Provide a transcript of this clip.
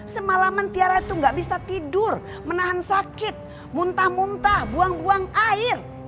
semalaman tiara itu nggak bisa tidur menahan sakit muntah muntah buang buang air